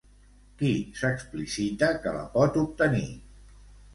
Qui s'explicita que la pot obtenir?